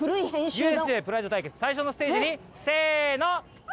ＵＳＪプライド対決最初のステージにせの！